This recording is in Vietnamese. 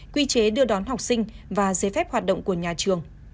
quy chế đưa đón học sinh và giấy phép hoạt động của nhà trường